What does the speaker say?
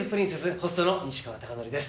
ホストの西川貴教です。